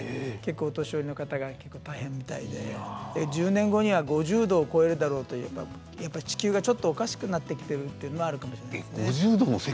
お年寄りの方が大変みたいで１０年後には５０度を超えるだろうと地球がちょっとおかしくなってきているというのがあるかもしれないですね。